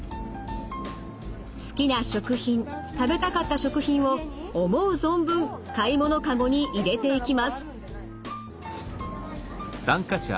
好きな食品食べたかった食品を思う存分買い物かごに入れていきます。